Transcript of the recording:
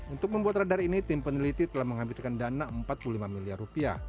untuk membuat radar ini tim peneliti telah menghabiskan dana rp empat puluh lima miliar rupiah